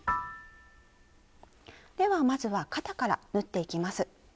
ではまずは肩から縫っていきます。